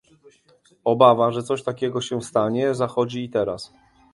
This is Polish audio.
Obawa, że coś takiego się stanie zachodzi i teraz